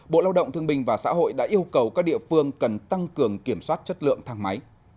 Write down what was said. bộ lao động thương bình và xã hội đã yêu cầu các địa phương cần tăng cường kiểm soát chất lượng thang máy